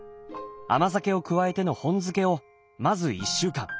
甘酒を加えての本漬けをまず１週間。